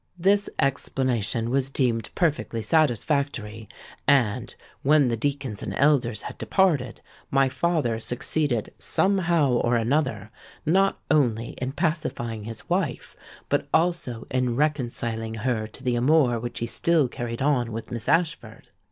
'—This explanation was deemed perfectly satisfactory: and, when the deacons and elders had departed, my father succeeded some how or another not only in pacifying his wife, but also in reconciling her to the amour which he still carried on with Miss Ashford.